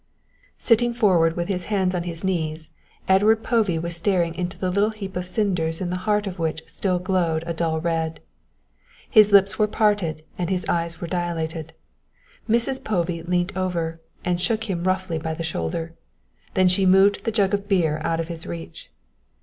Sitting forward with his hands on his knees, Edward Povey was staring into the little heap of cinders in the heart of which still glowed a dull red. His lips were parted and his eyes were dilated. Mrs. Povey leant over and shook him roughly by the shoulder. Then she moved the jug of beer out of his reach.